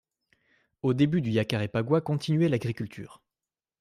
Au début du Jacarepaguá continuait l'agriculture.